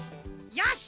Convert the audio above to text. よし！